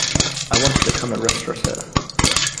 I want to become a Restaurateur.